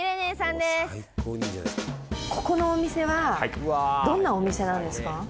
ここのお店はどんなお店なんですか？